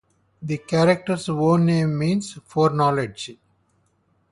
The character's own name means "foreknowledge".